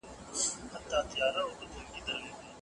خپل وزن په نورمال حالت کې وساتئ.